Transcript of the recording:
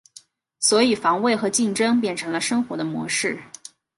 所以防卫和竞争便成为了生活的模式。